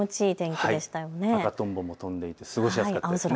赤とんぼも飛んでいて過ごしやすかったですね。